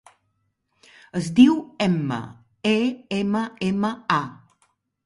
Es diu Emma: e, ema, ema, a.